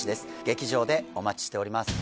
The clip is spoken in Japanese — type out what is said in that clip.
劇場でお待ちしております